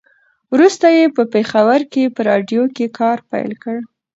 وروسته یې په پېښور کې په راډيو کې کار پیل کړ.